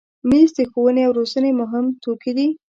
مېز د ښوونې او روزنې مهم توکي دي.